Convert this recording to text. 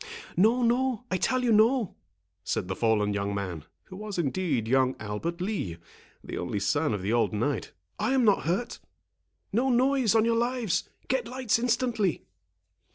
"No, no—I tell you no," said the fallen young man, who was indeed young Albert Lee, the only son of the old knight; "I am not hurt. No noise, on your lives; get lights instantly."